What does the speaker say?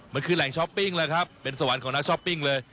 มันคือแหล่งช้อปปิ้งแล้วครับเป็นสวรรค์ของนักช้อปปิ้งเลย